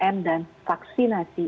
tiga m dan vaksinasi